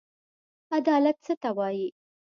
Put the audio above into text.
عدالت څه ته وايي.